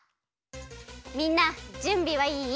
みんなじゅんびはいい？